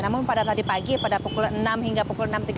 namun pada tadi pagi pada pukul enam hingga pukul enam tiga puluh